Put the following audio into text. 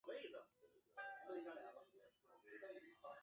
兴安堇菜是堇菜科堇菜属的植物。